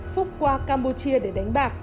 phúc qua campuchia để đánh bạc